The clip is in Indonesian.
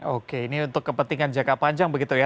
oke ini untuk kepentingan jangka panjang begitu ya